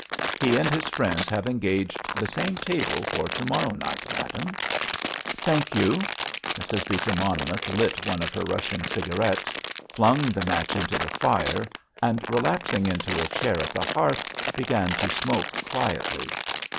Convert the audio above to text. "He and his friends have engaged the same table for to morrow night, madame." "Thank you." Mrs. Beecher Monmouth lit one of her Russian cigarettes, flung the match into the fire, and, relapsing into a chair at the hearth, began to smoke quietly.